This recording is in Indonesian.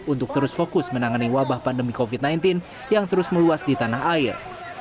untuk terus fokus menangani wabah pandemi covid sembilan belas yang terus meluas di tanah air